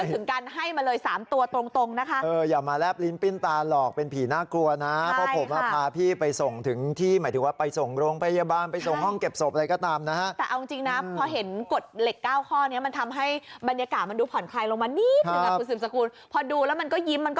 ด้วยถึงการให้มาเลย๓ตัวตรงนะค่ะอย่ามาแร็บลิ้นปิ้นตาหลอกเป็นผีน่ากลัวนะเพราะผมมาพาพี่ไปส่งถึงที่หมายถึงว่าไปส่งโรงพยาบาลไปส่งห้องเก็บศพอะไรก็ตามนะฮะเอาจริงนะพอเห็นกดเหล็ก๙ข้อนี้มันทำให้บรรยากาศมันดูผ่อน